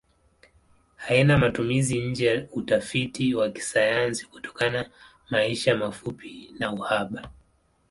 Haina matumizi nje ya utafiti wa kisayansi kutokana maisha mafupi na uhaba.